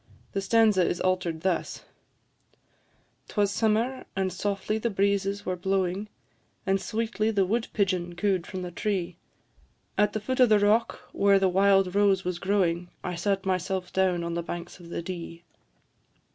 The stanza is altered thus: "'Twas summer, and softly the breezes were blowing, And sweetly the wood pigeon coo'd from the tree; At the foot of a rock, where the wild rose was growing, I sat myself down on the banks of the Dee."